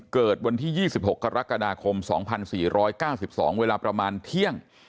เกิดวันที่๒๖กรกฎาคม๒๔๙๒เวลาประมาณเที่ยง